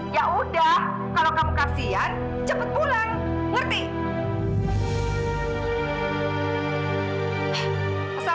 ya udah kalau kamu kasihan cepet pulang ngerti